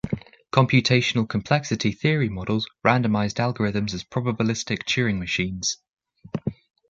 Computational complexity theory models randomized algorithms as "probabilistic Turing machines".